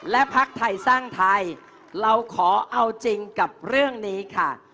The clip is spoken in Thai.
และพักไทยสร้างไทยเราขอเอาจริงกับเรื่องนี้ค่ะ